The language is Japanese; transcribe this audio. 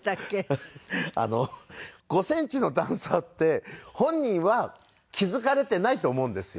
５センチの段差って本人は気付かれていないと思うんですよね。